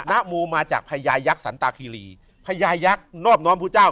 นโมมาจากพญายักษันตาคีรีพญายักษ์นอบน้อมพระเจ้า